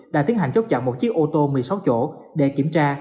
đã tiến hành chốt chặn một chiếc ô tô một mươi sáu chỗ để kiểm tra